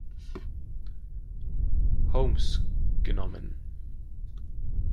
Holmes genommen.